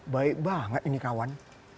baik banget ini kawan